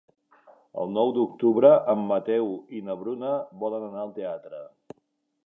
El nou d'octubre en Mateu i na Bruna volen anar al teatre.